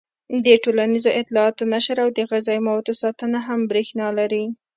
د ټولنیزو اطلاعاتو نشر او د غذايي موادو ساتنه هم برېښنا لري.